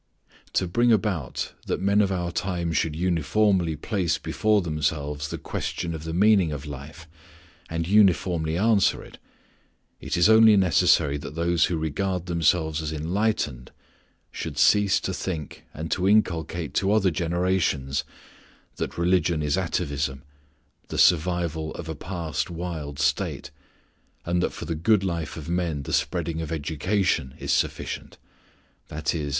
To bring about that men of our time should uniformly place before themselves the question of the meaning of life, and uniformly answer it, it is only necessary that those who regard themselves as enlightened should cease to think and to inculcate to other generations that religion is atavism, the survival of a past wild state, and that for the good life of men the spreading of education is sufficient _i.e.